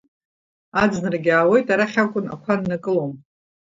Аӡынрагьы аауеит, арахь акәын ақәа ннакылом.